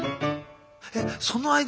えっその間もさ